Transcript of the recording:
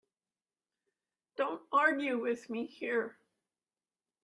Don't argue with me here.